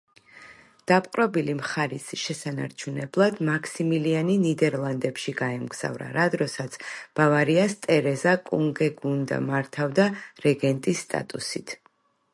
დაპყრობილი მხარის შესანარჩუნებლად მაქსიმილიანი ნიდერლანდებში გაემგზავრა, რა დროსაც ბავარიას ტერეზა კუნგეგუნდა მართავდა რეგენტის სტატუსით.